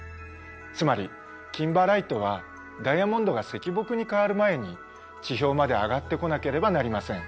つまりキンバーライトはダイヤモンドが石墨に変わる前に地表まで上がってこなければなりません。